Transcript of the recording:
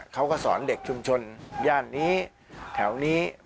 เขาก็สอนเด็กชุมชนย่านนี้แถวนี้